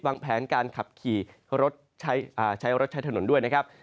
วางแผนการขับขี่รถใช้รถใช้ถนนด้วยนะครับ